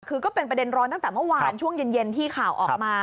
คือก็เป็นประเด็นร้อนตั้งแต่เมื่อวานช่วงเย็นที่ข่าวออกมา